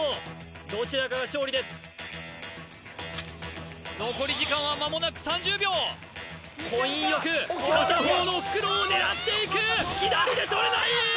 どちらかが勝利です残り時間はまもなく３０秒コイン欲片方の袋を狙っていく左手取れない！